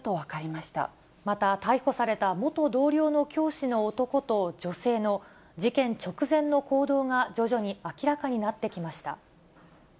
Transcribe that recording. また、逮捕された元同僚の教師の男と女性の事件直前の行動が徐々に明らかになってきました。